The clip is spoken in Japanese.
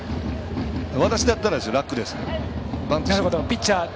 私だったら楽ですね。